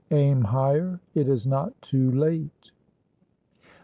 AIM HIGHER. IT IS NOT TOO LATE."